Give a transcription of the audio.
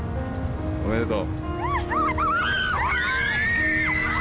おめでとう。